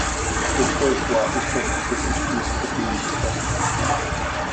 His first wife is credited with introducing the canoe to Scotland.